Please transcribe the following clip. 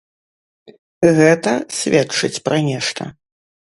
Гэта сведчыць пра нешта.